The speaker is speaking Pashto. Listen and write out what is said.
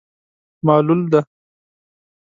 معلول دی.